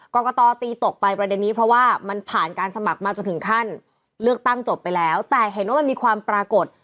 กรกตตีตกไปประเด็นนี้เพราะว่ามันผ่านการสมัครมาจนถึงขั้นเลือกตั้งจบไปแล้วแต่เห็นว่ามันมีความปรากฏ